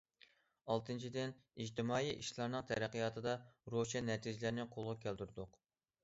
ئالتىنچىدىن، ئىجتىمائىي ئىشلارنىڭ تەرەققىياتىدا روشەن نەتىجىلەرنى قولغا كەلتۈردۇق.